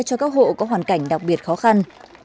cho các hộ có hoàn cảnh đặc biệt khó khăn